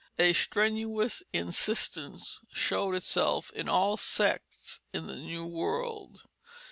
A strenuous insistence showed itself in all sects in the new world.